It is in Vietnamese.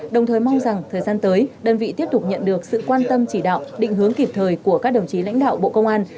đồng thời mong rằng thời gian tới đơn vị tiếp tục nhận được sự quan tâm chỉ đạo định hướng kịp thời của các đồng chí lãnh đạo bộ công an